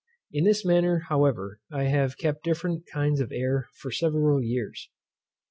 In this manner, however, I have kept different kinds of air for several years.